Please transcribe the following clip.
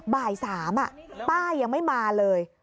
บ่าย๓ป้ายังไม่มาเลย